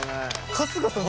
春日さん